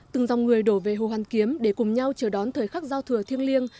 từng dòng người đổ về hồ hoàn kiếm để cùng nhau chờ đón thời khắc giao thừa thiêng liêng